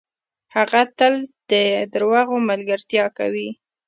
هغه تل ده دروغو ملګرتیا کوي .